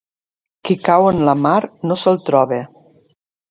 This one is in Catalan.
Qui cau en la mar, no se'l troba.